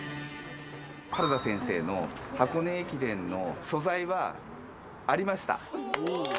原田先生の箱根駅伝の素材はありました。